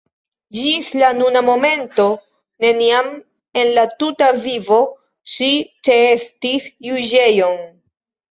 Ĝis la nuna momento neniam en la tuta vivo ŝi ĉeestis juĝejon.